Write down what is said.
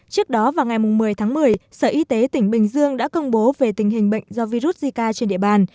trước đó vào ngày một mươi tháng một mươi sở y tế tỉnh bình dương đã công bố về tình hình bệnh do virus zika trên địa bàn